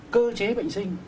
cơ chế bệnh sinh